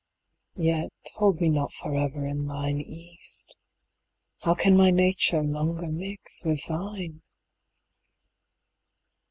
Yet hold me not for ever in thine East: How can my nature longer mix with thine?